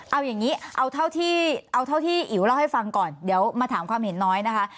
เอาอย่างนี้เอาเท่าที่อิ๋วเล่าให้ฟังก่อนเดี๋ยวมาถามความเห็นน้อยนะคะ